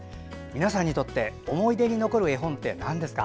皆さんにとって思い出に残る絵本ってなんですか？